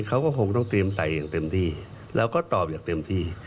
เขาก็คงต้องเตรียมใส่อย่างเต็มที่แล้วก็ตอบอย่างเต็มที่